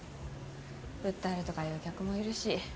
訴えるとか言う客もいるし。